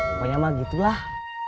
pokoknya mah gitulah